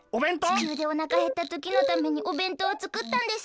ちきゅうでおなかへったときのためにおべんとうをつくったんです。